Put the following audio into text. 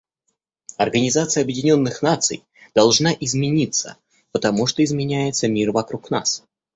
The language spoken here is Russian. Организация Объединенных Наций должна измениться, потому что изменяется мир вокруг нас.